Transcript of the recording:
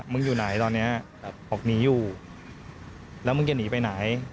อยู่ไหนตอนนี้บอกหนีอยู่แล้วมึงจะหนีไปไหน